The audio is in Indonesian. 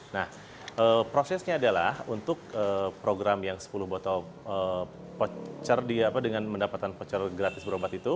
nah prosesnya adalah untuk program yang sepuluh botol dengan mendapatkan pocor gratis berobat itu